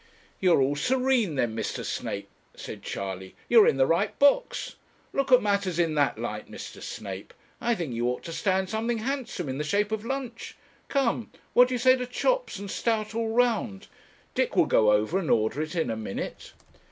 'You're all serene then, Mr. Snape,' said Charley; 'you're in the right box. Looking at matters in that light, Mr. Snape, I think you ought to stand something handsome in the shape of lunch. Come, what do you say to chops and stout all round? Dick will go over and order it in a minute.'